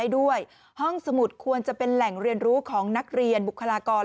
ด้วยห้องสมุดควรจะเป็นแหล่งเรียนรู้ของนักเรียนบุคลากร